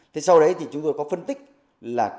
thế sau đấy thì chúng tôi có phân tích là